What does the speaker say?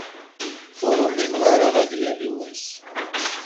Ur umineɣ ara ad yali wass.